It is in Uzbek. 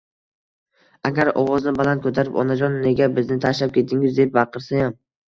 Agar ovozni baland ko‘tarib “Onajon, nega bizni tashlab ketdingiz!” deb baqirsayam